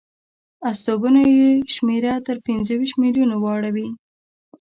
استوګنو یې شمېره تر پنځه ویشت میلیونو وراوړي.